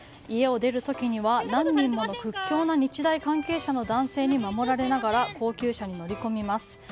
家を出る時には何人もの屈強な日大関係者の男性に守られながら高級車に乗り込みます。